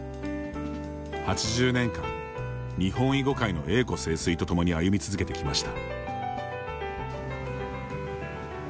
８０年間、日本囲碁界の栄枯盛衰とともに、歩み続けてきました。